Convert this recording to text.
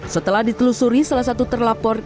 setelah ditelusuri salah satu terlapor